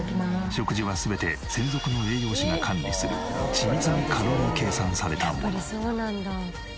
食事は全て専属の栄養士が管理する緻密にカロリー計算されたもの。